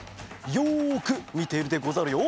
よくみてるでござるよ。